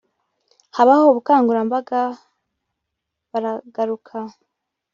habaho ubukangurambaga baragaruka